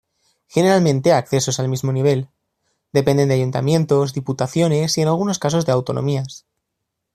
Generalmente accesos al mismo nivel. Dependen de ayuntamientos, diputaciones y en algunos casos de autonomías.